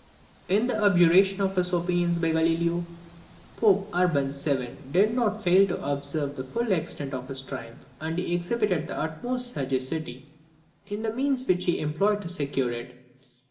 In the abjuration of his opinions by Galileo, Pope Urban VII. did not fail to observe the full extent of his triumph; and he exhibited the utmost sagacity in the means which he employed to secure it.